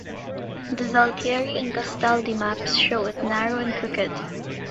The Zaltieri and Gastaldi maps show it narrow and crooked.